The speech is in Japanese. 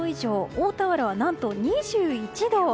大田原は何と２１度。